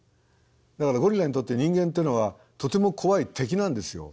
だからゴリラにとって人間というのはとても怖い敵なんですよ。